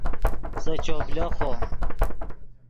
سے چوپ لیخو